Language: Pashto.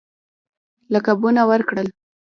لقبونه ورکړل.